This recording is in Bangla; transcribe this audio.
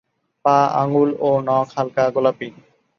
পা, আঙুল ও নখ হালকা গোলাপি।